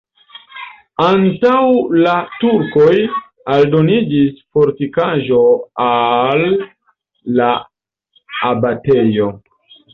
Antaŭ la turkoj aldoniĝis fortikaĵo al la abatejo.